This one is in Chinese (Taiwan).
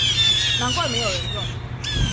難怪沒有人用